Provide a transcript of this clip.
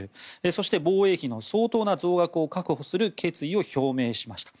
そして防衛費の相当な増額を確保する決意を表明しました。